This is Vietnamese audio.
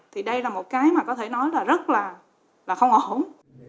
thì đây là một cái mà có thể nói là rất là không ổn